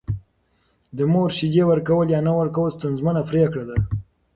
د مور شیدې ورکول یا نه ورکول ستونزمنه پرېکړه ده.